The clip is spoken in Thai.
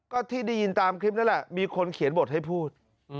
ก็ที่ได้ยินตามคลิปนั่นแหละมีคนเขียนบทให้พูด